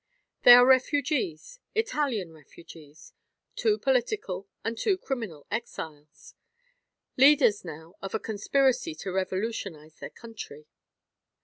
They are refugees, Italian refugees; two political and two criminal exiles, leaders now of a conspiracy to revolutionize their country.